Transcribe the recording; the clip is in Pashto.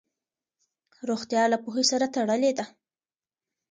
روغتیا له پوهې سره تړلې ده.